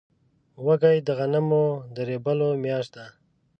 وږی د غنمو د رېبلو میاشت ده.